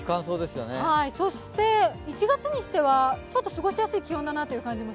そして１月にしてはちょっと過ごしやすい気温だなという感じもします。